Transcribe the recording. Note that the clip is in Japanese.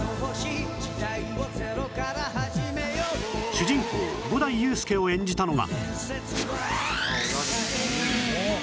主人公五代雄介を演じたのが